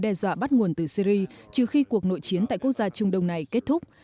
đe dọa bắt nguồn từ syri trừ khi cuộc nội chiến tại quốc gia trung đông này kết thúc